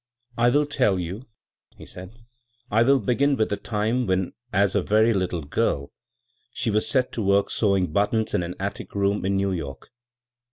" I will tell you," he sEud. " I wiU begin with the time when as a very little girl she was set to work sewing buttons in an atUc rocun in New York."